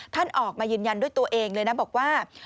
ท่านออกมายืนยันด้วยตัวเองเลยนะบอกว่า